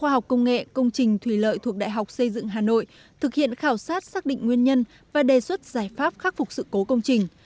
học công nghệ công trình thủy lợi thuộc đại học xây dựng hà nội thực hiện khảo sát xác định nguyên nhân và đề xuất giải pháp khắc phục sự cố công trình